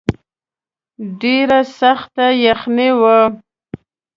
ډېره سخته یخني وه.